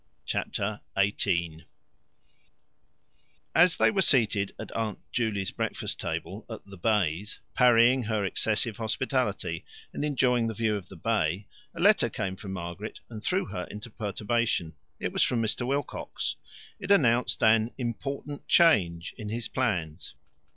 Chapter 18 As they were seated at Aunt Juley's breakfast table at The Bays, parrying her excessive hospitality and enjoying the view of the bay, a letter came for Margaret and threw her into perturbation. It was from Mr. Wilcox. It announced an "important change" in his plans.